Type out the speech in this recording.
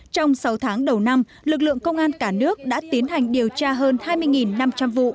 trong sáu tháng đầu năm lực lượng công an cả nước đã tiến hành điều tra hơn hai mươi năm trăm linh vụ